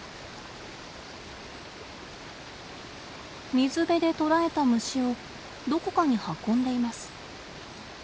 水辺で捕らえた虫をどこかに運んでいます。